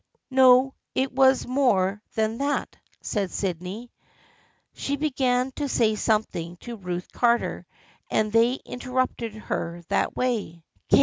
" No, it was more than that/' said Sydney. " She began to say something to Ruth Carter and they interrupted her that way.